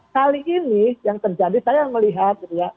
kali ini yang terjadi saya melihat